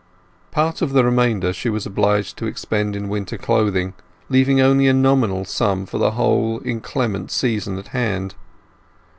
Part of the remainder she was obliged to expend in winter clothing, leaving only a nominal sum for the whole inclement season at hand.